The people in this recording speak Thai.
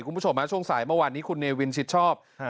คุณผู้ชมฮะช่วงสายเมื่อวานนี้คุณเนวินชิดชอบ